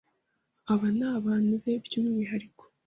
Aba ni abantu be by’umwihariko